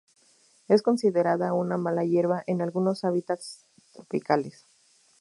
Es considerada una mala hierba en algunos hábitats tropicales.